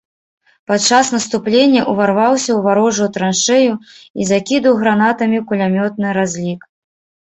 Падчас наступлення ўварваўся ў варожую траншэю і закідаў гранатамі кулямётны разлік.